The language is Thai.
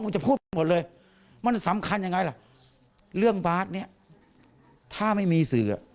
มันจะพูดแบบนี้หมดเลยมันสำคัญอย่างไรล่ะเรื่องบาสเนี่ยถ้าไม่มีสื่อ